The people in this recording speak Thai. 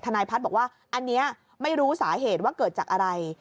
นายพัฒน์บอกว่าอันนี้ไม่รู้สาเหตุว่าเกิดจากอะไร